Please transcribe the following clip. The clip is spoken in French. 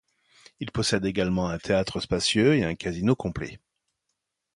Il possède également un théâtre spacieux et un casino complet.